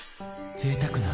ぜいたくな．．．